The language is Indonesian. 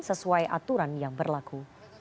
sesuai aturan yang berlaku